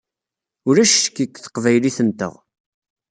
Ulac ccek deg teqbaylit-nteɣ.